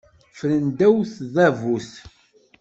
Ffren ddaw tdabut.